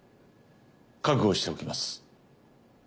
覚悟しておきます。